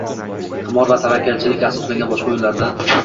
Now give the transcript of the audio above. qimor va tavakkalchilikka asoslangan boshqa o‘yinlarda